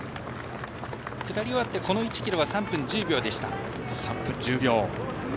下りがあってこの１ｋｍは３分１０秒でした。